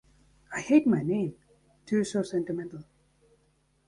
I hate my name, too — so sentimental!